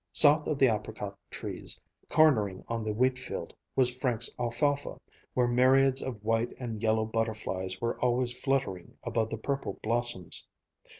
South of the apricot trees, cornering on the wheatfield, was Frank's alfalfa, where myriads of white and yellow butterflies were always fluttering above the purple blossoms.